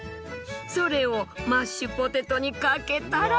それをマッシュポテトにかけたら。